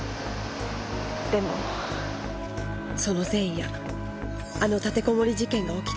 でもその前夜あの立てこもり事件が起きて。